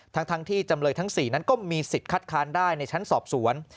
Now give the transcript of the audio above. ทั้งที่จำเลยทั้ง๔นั้นก็มีสิทธิ์คัดค้านได้ในชั้นสอบสวน